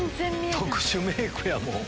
特殊メイクやもん。